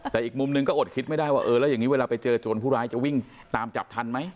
แต่อีกมุมหนึ่งก็อดคิดไม่ได้ว่าเออแล้วอย่างนี้เวลาไปเจอโจรผู้ร้ายจะวิ่งตามจับทันไหม